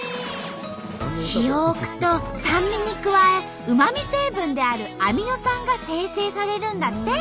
日を置くと酸味に加えうま味成分であるアミノ酸が生成されるんだって。